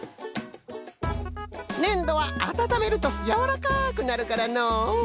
ねんどはあたためるとやわらかくなるからのう。